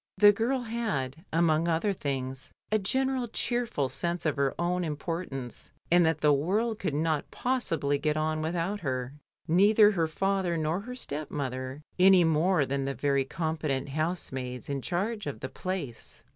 The girl had, among other things, a general cheerful sense of her own importance, and that the world could not possibly get on without her — neither her father nor her stepmother, any more than the very competent housemaids in charge of the Place.